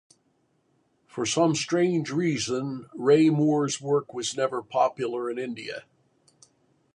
For some strange reason, Ray Moore's work was never popular in India.